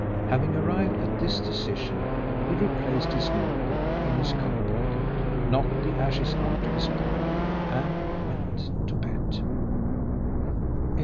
Having arrived at this decision, he replaced his notebook in his coat pocket, knocked the ashes out of his pipe, and went to bed.